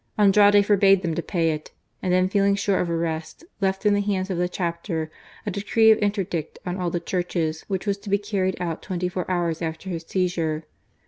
Andrade forbade them to pay it ; and then feeling sure of arrest, left in the hands of the chapter a decree of interdict on all the churches, which was to .be carried out twenty four hours after his seizure.